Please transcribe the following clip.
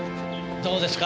どうですか？